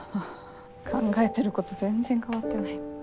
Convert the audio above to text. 考えてること全然変わってない。